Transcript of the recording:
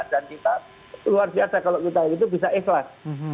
dan kita luar biasa kalau kita itu bisa ikhlas